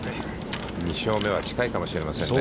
２勝目は近いかもしれませんね。